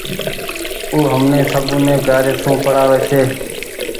او همني سبوني پيآري سون پڙآوي ڇي۔